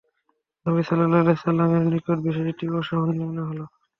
নবী সাল্লাল্লাহু আলাইহি ওয়াসাল্লামের নিকট বিষয়টি অসহনীয় মনে হল।